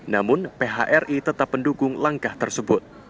namun phri tetap mendukung langkah tersebut